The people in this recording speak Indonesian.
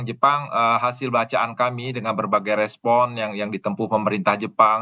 jepang hasil bacaan kami dengan berbagai respon yang ditempuh pemerintah jepang